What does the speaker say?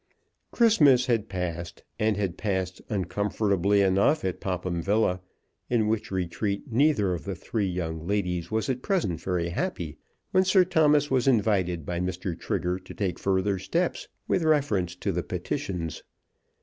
Christmas had passed, and had passed uncomfortably enough at Popham Villa, in which retreat neither of the three young ladies was at present very happy, when Sir Thomas was invited by Mr. Trigger to take further steps with reference to the petitions.